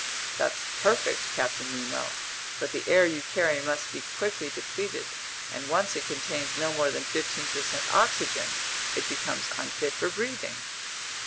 "That's perfect, Captain Nemo, but the air you carry must be quickly depleted; and once it contains no more than 15% oxygen, it becomes unfit for breathing."